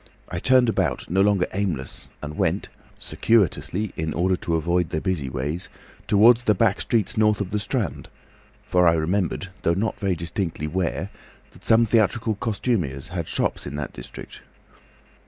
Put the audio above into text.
I turned about, no longer aimless, and went—circuitously in order to avoid the busy ways, towards the back streets north of the Strand; for I remembered, though not very distinctly where, that some theatrical costumiers had shops in that district.